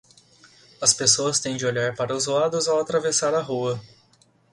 As pessoas têm de olhar para os lados ao atravessar a rua.